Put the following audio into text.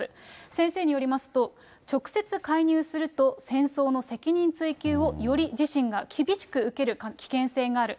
先生によりますと、直接介入すると戦争の責任追及をより自身が厳しく受ける危険性がある。